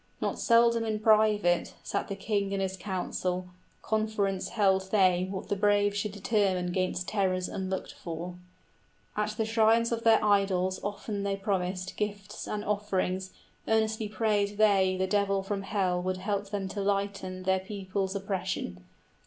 Not seldom in private Sat the king in his council; conference held they What the braves should determine 'gainst terrors unlooked for. {They invoke the aid of their gods.} 60 At the shrines of their idols often they promised Gifts and offerings, earnestly prayed they The devil from hell would help them to lighten Their people's oppression.